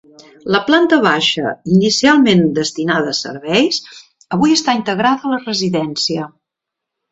La planta baixa, inicialment destinada a serveis, avui està integrada a la residència.